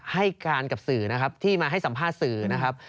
ให้การกับสื่อนะครับที่มาให้สัมภาษณ์สื่อนะครับ